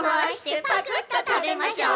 「パクっとたべましょう」